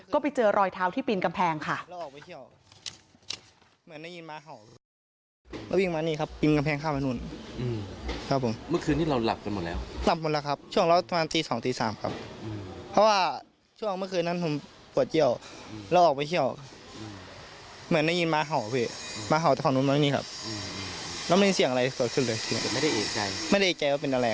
ก็ไปเจอรอยเท้าที่ปีนกำแพงค่ะ